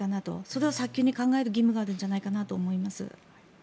それを早急に考える義務があるんじゃないかなと思います。